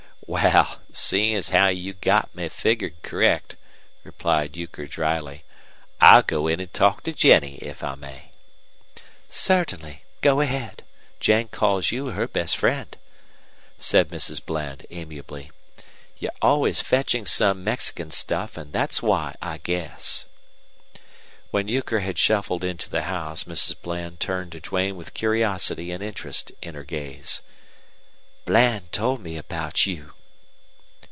"Wal, seein' as you've got me figgered correct," replied Euchre, dryly, "I'll go in an' talk to Jennie if I may." "Certainly. Go ahead. Jen calls you her best friend," said Mrs. Bland, amiably. "You're always fetching some Mexican stuff, and that's why, I guess." When Euchre had shuffled into the house Mrs. Bland turned to Duane with curiosity and interest in her gaze. "Bland told me about you."